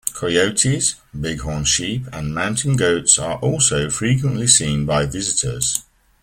Coyotes, bighorn sheep and mountain goats are also frequently seen by visitors.